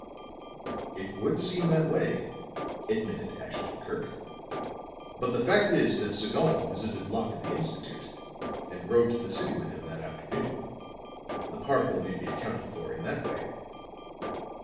"It would seem that way," admitted Ashton Kirk, "but the fact is that Sagon visited Locke at the Institute and rode to the city with him that afternoon. The particle may be accounted for in that way."